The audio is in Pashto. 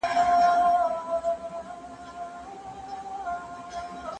نن ورځ تخصص ډېر مهم دی.